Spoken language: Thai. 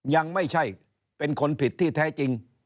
ยังไม่ใช่เป็นคนผิดที่แท้จริง